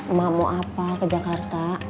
emak mau apa ke jakarta